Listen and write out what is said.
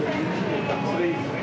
それいいですね。